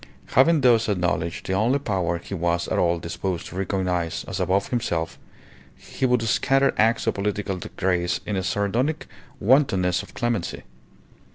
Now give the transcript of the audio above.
Having thus acknowledged the only power he was at all disposed to recognize as above himself, he would scatter acts of political grace in a sardonic wantonness of clemency.